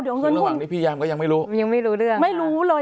ระหว่างนี้พี่ยามก็ยังไม่รู้ยังไม่รู้เรื่องไม่รู้เลย